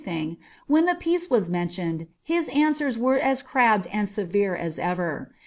thing, when the peace was mentioned, his answers were >i aevere as ever.